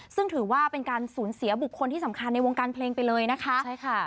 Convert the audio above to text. ซึ่งถือว่าเป็นการสูญเสียบุคคลที่สำคัญในวงการเพลงไปเลยนะคะใช่ค่ะ